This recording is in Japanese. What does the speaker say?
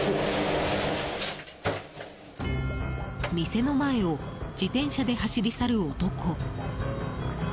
店の前を自転車で走り去る男。